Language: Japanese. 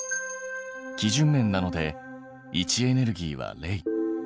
基準面なので位置エネルギーは０。